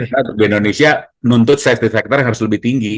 karena di indonesia nuntut safety factor harus lebih tinggi